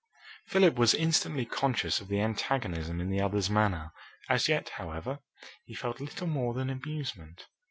Philip was instantly conscious of the antagonism in the other's manner. As yet, however, he felt little more than amusement.